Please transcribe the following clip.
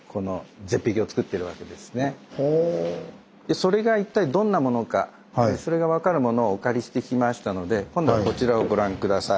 それが一体どんなものかそれが分かるものをお借りしてきましたので今度はこちらをご覧下さい。